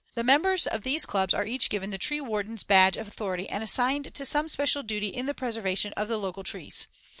The members of these clubs are each given the tree warden's badge of authority and assigned to some special duty in the preservation of the local trees.